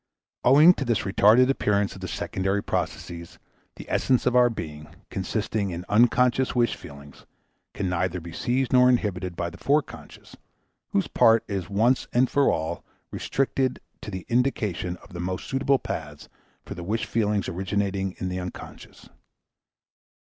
Owing to this retarded appearance of the secondary processes, the essence of our being, consisting in unconscious wish feelings, can neither be seized nor inhibited by the foreconscious, whose part is once for all restricted to the indication of the most suitable paths for the wish feelings originating in the unconscious.